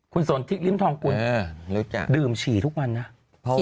คุณสนทิศลิ้มทองกุลดื่มฉี่ทุกวันนะรู้จัก